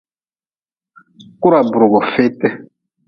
Kura burgu feetii.